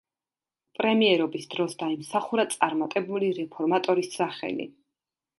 პრემიერობის დროს დაიმსახურა წარმატებული რეფორმატორის სახელი.